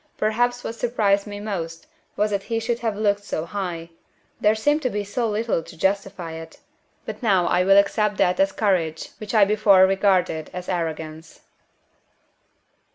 Perhaps what surprised me most was that he should have looked so high. There seemed to be so little to justify it. But now I will accept that as courage which I before regarded as arrogance."